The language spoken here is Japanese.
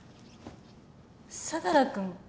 相良君。